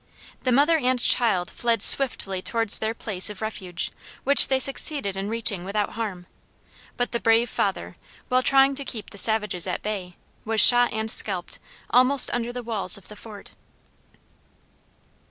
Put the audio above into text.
The mother and child fled swiftly towards their place of refuge, which they succeeded in reaching without harm; but the brave father, while trying to keep the savages at bay, was shot and scalped almost under the walls of the fort.